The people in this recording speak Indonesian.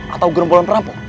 atau gerombolan perampok